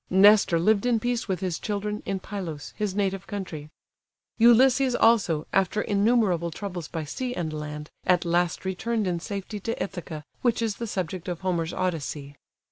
Nestor lived in peace with his children, in Pylos, his native country. Ulysses also, after innumerable troubles by sea and land, at last returned in safety to Ithaca, which is the subject of Homer's Odyssey.